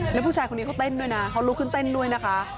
แล้วผู้ชายคนนี้เขาเต้นด้วยนะเขาลุกขึ้นเต้นด้วยนะคะ